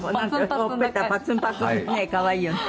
ほっぺたパツンパツンでね可愛いよね。